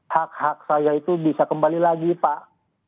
hak hak saya itu bisa kembali lagi pak